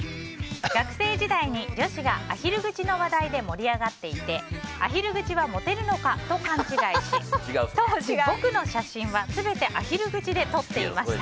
学生時代に女子がアヒル口の話題で盛り上がっていてアヒル口はモテるのかと勘違いし当時、僕の写真は全てアヒル口で撮っていました。